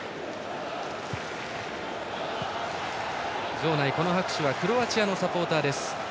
場内の拍手はクロアチアのサポーターです。